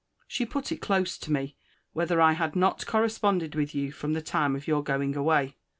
She put it close to me, Whether I had not corresponded with you from the time of your going away?